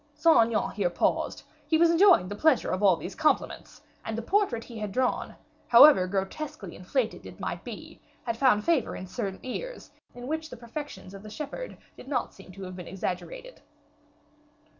Saint Aignan here paused; he was enjoying the pleasure of all these compliments; and the portrait he had drawn, however grotesquely inflated it might be, had found favor in certain ears, in which the perfections of the shepherd did not seem to have been exaggerated.